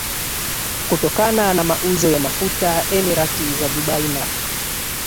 kutokana na mauzo ya mafuta Emirati za Dubai na